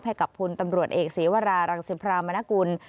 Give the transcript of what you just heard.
ให้กับคลุมตำหรัวเอกศีวรารังสิบพราวมนาคุณ